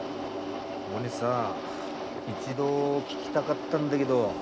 モネさ一度聞きたがったんだげど。